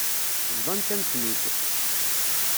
Bḍant-am-ten-id.